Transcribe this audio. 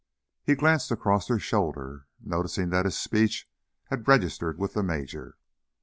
He glanced across her shoulder, noticing that his speech had registered with the major.